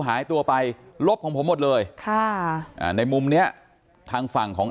หายตัวไปลบของผมหมดเลยค่ะอ่าในมุมเนี้ยทางฝั่งของ